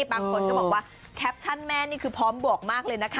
บางคนก็บอกว่าแคปชั่นแม่นี่คือพร้อมบวกมากเลยนะคะ